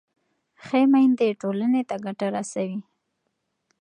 ښه میندې ټولنې ته ګټه رسوي.